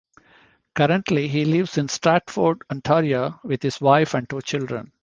Currently he lives in Stratford, Ontario with his wife and two children.